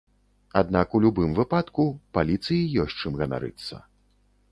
Аднак, у любым выпадку, паліцыі ёсць чым ганарыцца.